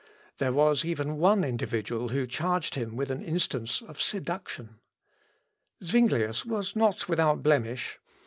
There was even one individual who charged him with an instance of seduction. Zuinglius was not without blemish.